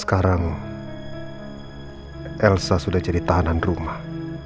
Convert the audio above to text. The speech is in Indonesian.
sekarang elsa sudah jadi tahanan rumah